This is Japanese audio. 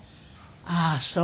ああそう。